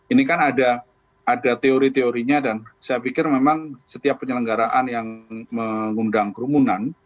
ini kan ada teori teorinya dan saya pikir memang setiap penyelenggaraan yang mengundang kerumunan